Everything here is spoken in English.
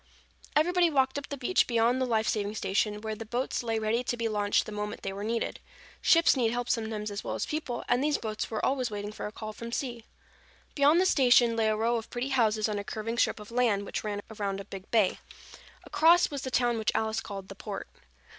Everybody walked up the beach beyond the life saving station where the boats lay ready to be launched the moment they were needed. Ships need help sometimes as well as people, and these boats were always waiting for a call from sea. Beyond the station lay a row of pretty houses on a curving strip of land which ran around a big bay. Across, was the town which Alice called the Port.